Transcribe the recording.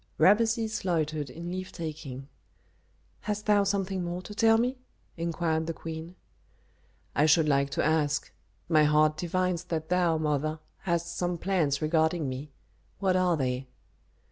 Rameses loitered in leave taking. "Hast thou something more to tell me?" inquired the queen. "I should like to ask My heart divines that thou, mother, hast some plans regarding me. What are they?"